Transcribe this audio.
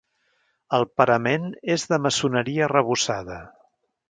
El parament és de maçoneria arrebossada.